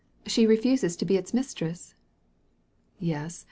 *' She refuses to be its mistress?" "Yes!